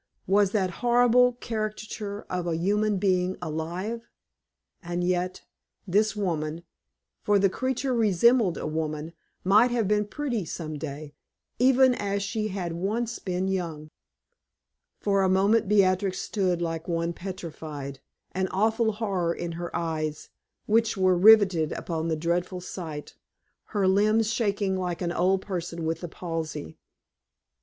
was that horrible caricature of a human being alive? And yet, this woman for the creature resembled a woman might have been pretty some day, even as she had once been young. For a moment Beatrix stood like one petrified, an awful horror in her eyes, which were riveted upon the dreadful sight, her limbs shaking like an old person with the palsy.